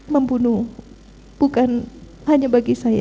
membunuh bukan hanya bagi saya